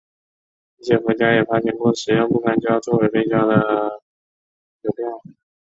一些国家也发行过使用不干胶作为背胶的邮票。